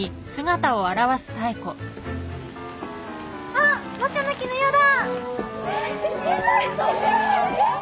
あっ若菜絹代だ！